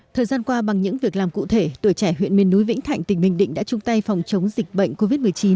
thời gian qua bằng những việc làm cụ thể tuổi trẻ huyện miền núi vĩnh thạnh tỉnh bình định đã chung tay phòng chống dịch bệnh covid một mươi chín